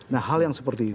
nah hal yang seperti itu